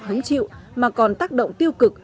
hứng chịu mà còn tác động tiêu cực